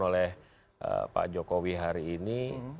oleh pak jokowi hari ini